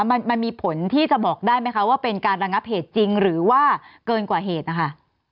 มันมีผลที่จะบอกได้ไหมคะว่าเป็นการระงับเหตุจริงหรือว่าเกินกว่าเหตุนะคะ